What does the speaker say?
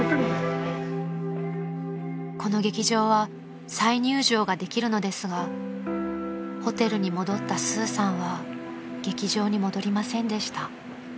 ［この劇場は再入場ができるのですがホテルに戻ったスーさんは劇場に戻りませんでした］